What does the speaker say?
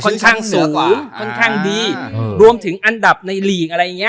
ค่อนข้างสูงค่อนข้างดีรวมถึงอันดับในหลีกอะไรอย่างเงี้